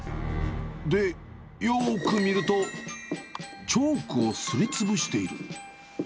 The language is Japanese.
で、よーく見ると、チョークをすりつぶしている。